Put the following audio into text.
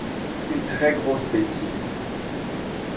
Une très grosse bêtise.